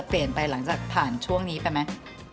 เปลี่ยนไปหลังจากผ่านช่วงนี้ไปไหม